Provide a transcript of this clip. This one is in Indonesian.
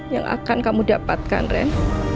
yang akan kamu dapatkan ren